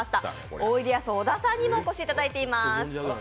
おいでやす小田さんにもお越しいただいています。